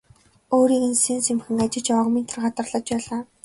Өөрийг нь сэм сэмхэн ажиж явааг минь тэр гадарлаж байлаа.